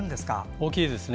大きいですね。